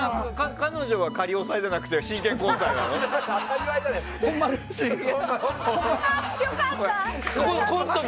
彼女は仮押さえじゃなくて真剣交際なの？